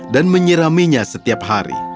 dan menyiraminya setiap hari